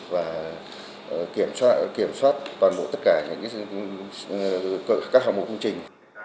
và kiểm soát toàn bộ tất cả các hạng mục công trình